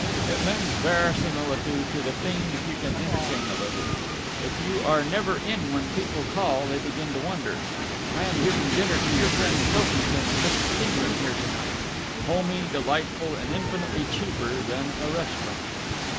It lends verisimilitude to the thing if you can entertain a little. If you are never in when people call, they begin to wonder. I am giving dinner to your friend Pilkington and Mrs. Peagrim there to night. Homey, delightful, and infinitely cheaper than a restaurant."